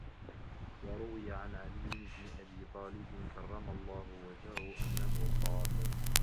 وَرُوِيَ عَنْ عَلِيِّ بْنِ أَبِي طَالِبٍ كَرَّمَ اللَّهُ وَجْهَهُ أَنَّهُ قَالَ